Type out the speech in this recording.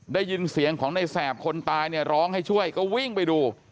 ได้ยินเสียงของในแสบคนตายเนี่ยร้องให้ช่วยก็วิ่งไปดู